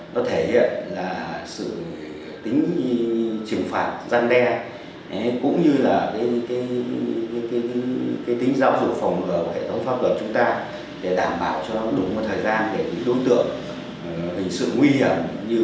nó thể hiện là sự tính trừng phạt gian đe cũng như là tính giao dục phòng ngờ của hệ thống pháp luật chúng ta để đảm bảo cho đúng thời gian để đối tượng hình sự nguy hiểm